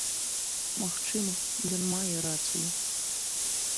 Магчыма, ён мае рацыю.